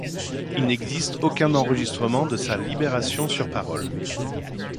Il n'existe aucun enregistrement de sa libération sur parole.